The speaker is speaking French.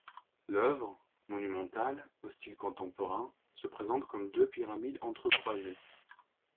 L'œuvre, monumentale, au style contemporain, se présente comme deux pyramides entrecroisées.